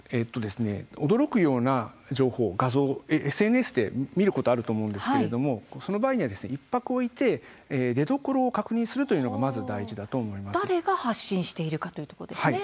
驚くような情報、画像がＳＮＳで見ることあると思うんですけれどもその場合には一拍置いて出どころを確認するというのが誰が発信しているかということですね。